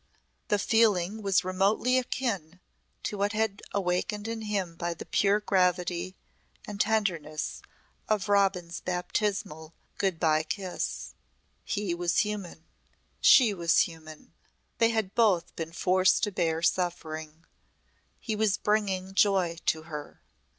The feeling was remotely akin to what had been awakened in him by the pure gravity and tenderness of Robin's baptismal good bye kiss. He was human, she was human, they had both been forced to bear suffering. He was bringing joy to her.